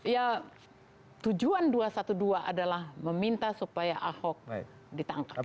ya tujuan dua ratus dua belas adalah meminta supaya ahok ditangkap